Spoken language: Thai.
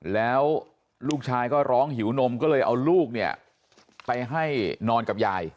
แล้วลูกชายก็ร้องหิวนมก็เลยเอาลูกเนี่ยไปให้นอนกับยาย